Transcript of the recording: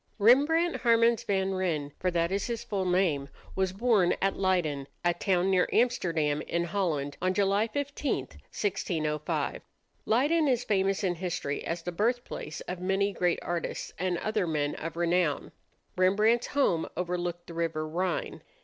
Rembrandt Harmens van Rijn for that is his full name was born at Leyden, a town near Amsterdam, in Holland, on July 15, 1605. Leyden is famous in history as the birthplace of many great artists and other men of renown. Rembrandt's home overlooked the river Rhine.